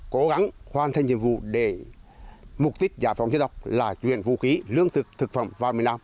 cố gắng hoàn thành nhiệm vụ để mục đích giải phóng dân tộc là chuyển vũ khí lương thực thực phẩm vào miền nam